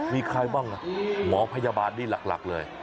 มีใครบ้างหมอพยาบาลนี่หลักเลย